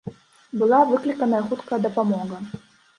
Была выкліканая хуткая дапамога.